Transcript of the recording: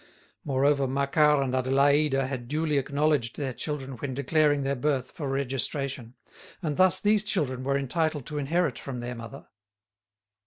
Moreover, Macquart and Adélaïde had duly acknowledged their children when declaring their birth for registration, and thus these children were entitled to inherit from their mother.